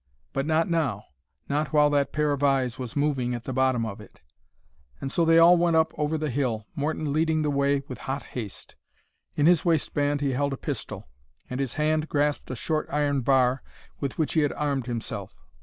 But not now; not while that pair of eyes was moving at the bottom of it. And so they all went up over the hill, Morton leading the way with hot haste. In his waist band he held a pistol, and his hand grasped a short iron bar with which he had armed himself.